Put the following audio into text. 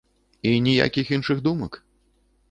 І ніякіх іншых думак?